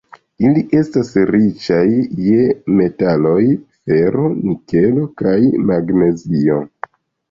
Ili estas riĉaj je metaloj: fero, nikelo kaj magnezio.